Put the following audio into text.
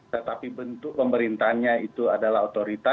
tetapi bentuk pemerintahnya itu adalah otorita